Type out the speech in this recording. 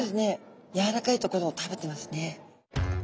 やわらかいところを食べてますね。